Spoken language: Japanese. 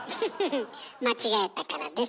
間違えたからです。